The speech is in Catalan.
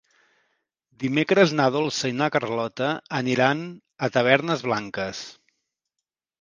Dimecres na Dolça i na Carlota aniran a Tavernes Blanques.